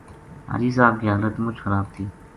حاجی صاحب کی حالت مُچ خراب تھی